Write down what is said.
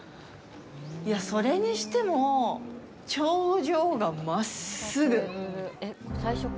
いや、それにしても頂上がまっすぐ！